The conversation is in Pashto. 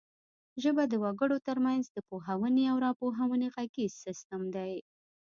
ژبه د وګړو ترمنځ د پوهونې او راپوهونې غږیز سیستم دی